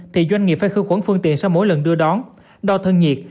thì doanh nghiệp phải khử khuẩn phương tiện sau mỗi lần đưa đón đo thân nhiệt